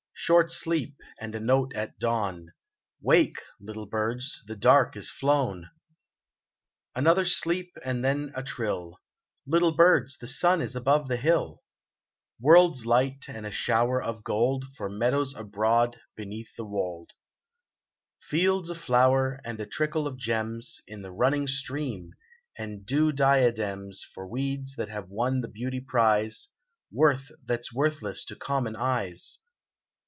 Short sleep, and a note at dawn :" Wake, little birds, the dark is flown !" Another sleep and then a trill, " Little birds, the sun is above the hill !" World's light, and a shower of gold For meadows abroad beneath the wold. Fields a flower, and a trickle of gems In the running stream, and dew diadems For weeds that have won the beauty prize — Worth that's worthless to common eyes